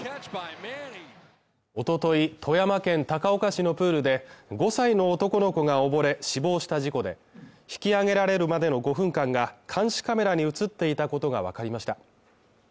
一昨日富山県高岡市のプールで５歳の男の子が溺れ死亡した事故で、引き上げられるまでの５分間が監視カメラに映っていたことがわかりました。